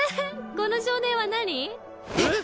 この少年は何？えっ！？